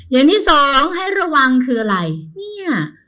อย่างที่สองให้ระวังคืออะไรเนี่ย